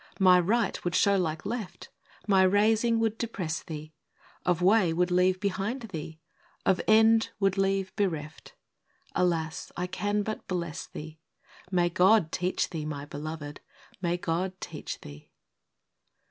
My right would show like left; My raising would depress thee, — Of way, would leave behind thee, — Of end, would leave bereft! Alas ! I can but bless thee — May God teach thee, my beloved,— may God teach thee!